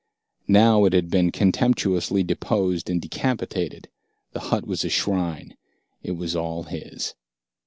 Now it had been contemptuously deposed and decapitated. The hut was a shrine. It was all his.